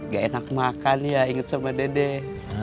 gak enak makan ya inget sama dedek